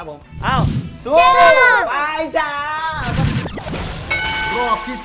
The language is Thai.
โอ้โฮ